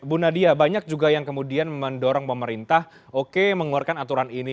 bu nadia banyak juga yang kemudian mendorong pemerintah oke mengeluarkan aturan ini